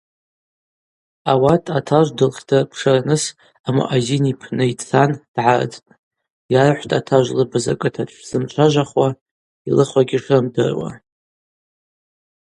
Ауат атажв дылхьдырпшырныс амуъазин йпны йцан дгӏардтӏ, йархӏвтӏ атажв лыбыз акӏыта дшзымчважвахуа, йлыхьуагьи шрымдыруа.